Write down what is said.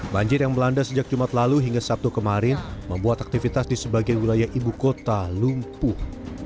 banjir yang melanda sejak jumat lalu hingga sabtu kemarin membuat aktivitas di sebagian wilayah ibu kota lumpuh